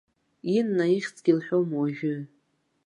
Инна ихьӡгьы лҳәом уажәы.